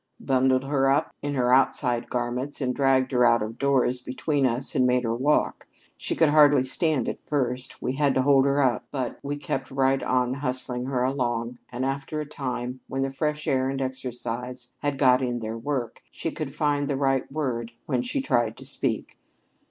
"Bundled her up in her outside garments and dragged her out of doors between us and made her walk. She could hardly stand at first. We had to hold her up. But we kept right on hustling her along, and after a time when the fresh air and exercise had got in their work, she could find the right word when she tried to speak to us.